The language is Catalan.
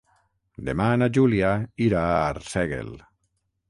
Demà na Júlia irà a Arsèguel.